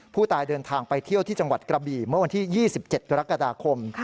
ผู้ตายเดินทางไปเที่ยวที่จังหวัดกระบี่เมื่อวันที่๒๗กรกฎาคม